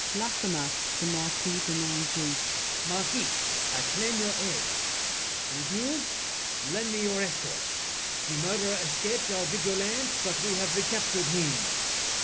LAFFEMAS (to Marquis de Nangis). Marquis, I claim your aid. Good news! Lend me your escort. The murderer escaped Our vigilance, but we've recaptured him.